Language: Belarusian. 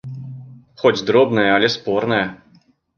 Хоць дробная, але спорная.